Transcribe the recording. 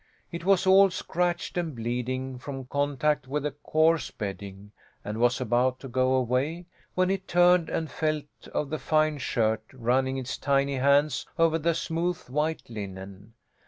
It was all scratched, and bleeding, from contact with the coarse bedding, and was about to go away, when it turned and felt of the fine shirt, running its tiny hands over the smooth white linen.